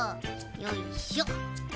よいしょ。